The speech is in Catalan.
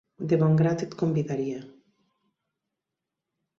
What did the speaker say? De bon grat et convidaria.